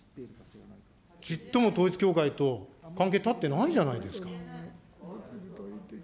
ちっとも統一教会と関係断ってないじゃないですか。